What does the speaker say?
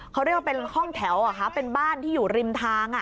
เขาเรียกว่าเป็นห้องแถวเป็นบ้านที่อยู่ริมทาง